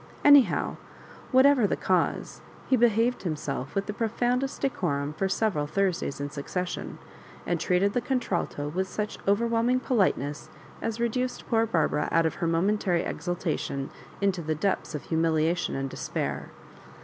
Anyhow, whatever the cause, he behaved himself with the profoundest decorum for several Thursdays in succession, and treated the contralto with such overwhelm ing politeness as reduced poor Barbara out of her momentary exultation into the depths of humihaiion and despair.